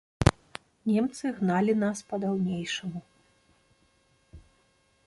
Немцы гнялі нас па-даўнейшаму.